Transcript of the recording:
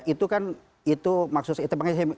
itu kan maksud saya